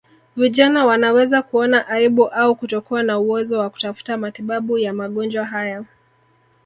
Vijana wanaweza kuona aibu au kutokuwa na uwezo wa kutafuta matibabu ya magonjwa haya